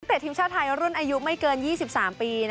ทีมชาติไทยรุ่นอายุไม่เกิน๒๓ปี